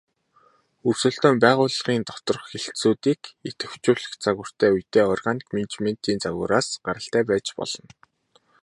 Өрсөлдөөн байгууллын доторх хэлтсүүдийг идэвхжүүлэх загвартай үедээ органик менежментийн загвараас гаралтай байж болно.